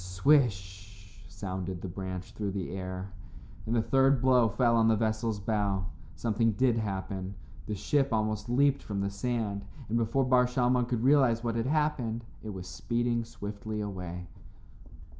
"Swish" sounded the branch through the air, and the third blow fell on the vessel's bow. Something did happen. The ship almost leaped from the sand, and before Bar Shalmon could realize what had happened it was speeding swiftly away.